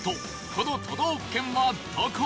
この都道府県はどこ？